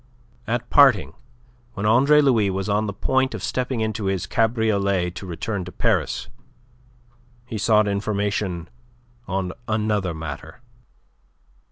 At parting, when Andre Louis was on the point of stepping into his cabriolet to return to Paris, he sought information on another matter.